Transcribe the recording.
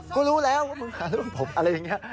ก็รู้แล้วว่ามึงหาเรื่องผมอะไรอย่างนี้